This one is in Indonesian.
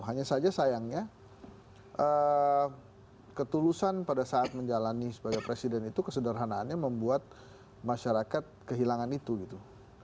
hanya saja sayangnya ketulusan pada saat menjalani sebagai presiden itu kesederhanaannya membuat masyarakat kehilangan itu gitu